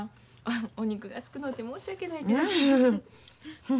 お肉が少のうて申し訳ないけど。